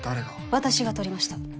私が撮りました